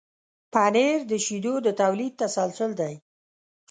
پنېر د شیدو د تولید تسلسل دی.